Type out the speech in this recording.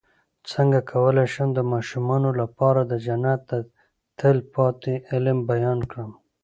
څنګه کولی شم د ماشومانو لپاره د جنت د تل پاتې علم بیان کړم